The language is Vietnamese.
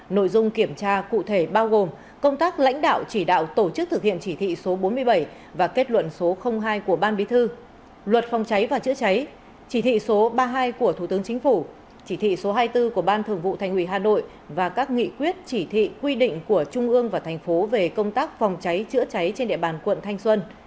nội dung kiểm tra cụ thể bao gồm công tác lãnh đạo chỉ đạo tổ chức thực hiện chỉ thị số bốn mươi bảy và kết luận số hai của ban bí thư luật phòng cháy và chữa cháy chỉ thị số ba mươi hai của thủ tướng chính phủ chỉ thị số hai mươi bốn của ban thường vụ thành ủy hà nội và các nghị quyết chỉ thị quy định của trung ương và thành phố về công tác phòng cháy chữa cháy trên địa bàn quận thanh xuân